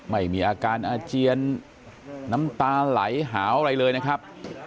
ไม่มีอาการอาเจียนน้ำตาไหลหาวอะไรเลยนะครับ